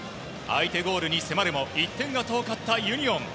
相手ゴールに迫るも１点が遠かったユニオン。